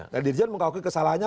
dan dirjen mengakui kesalahannya